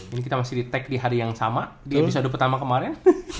ini kita masih detect di hari yang sama di episode pertama kemarin